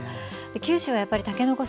九州はやっぱりたけのこ